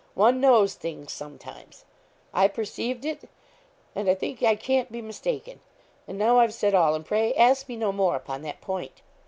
One knows things, sometimes. I perceived it and I think I can't be mistaken; and now I've said all, and pray ask me no more upon that point.'